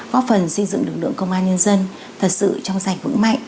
góp phần xây dựng lực lượng công an nhân dân thật sự trong sạch vững mạnh